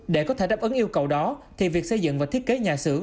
để có thể đáp ứng yêu cầu đó thì việc xây dựng và thiết kế nhà xưởng